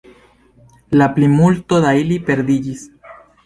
La plimulto da ili perdiĝis.